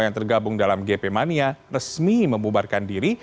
yang tergabung dalam gp mania resmi membubarkan diri